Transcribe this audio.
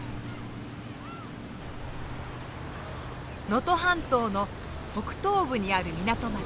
能登半島の北東部にある港町。